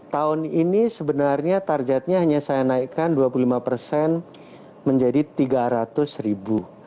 tahun ini sebenarnya targetnya hanya saya naikkan dua puluh lima persen menjadi tiga ratus ribu